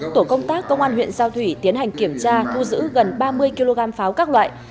tổ công tác công an huyện giao thủy tiến hành kiểm tra thu giữ gần ba mươi kg pháo các loại